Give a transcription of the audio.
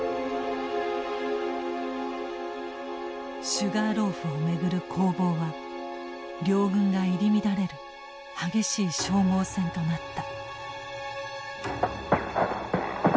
シュガーローフを巡る攻防は両軍が入り乱れる激しい消耗戦となった。